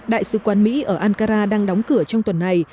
đại sứ quán mỹ ở ankara đang đóng cửa trong tuần này